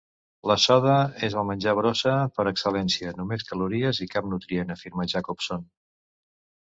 "La soda és el menjar brossa per excel·lència, només calories i cap nutrient", afirma Jacobson.